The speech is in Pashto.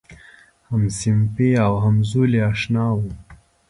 همصنفي او همزولی آشنا و.